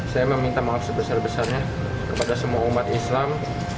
saya meminta maaf sebesar besarnya kepada semua umat islam